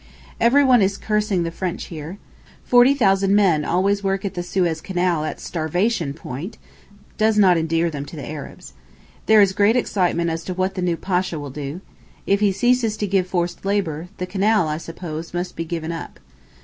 Everyone is cursing the French here. Forty thousand men always at work at the Suez Canal at starvation point, does not endear them to the Arabs. There is great excitement as to what the new Pasha will do. If he ceases to give forced labour, the Canal, I suppose, must be given up.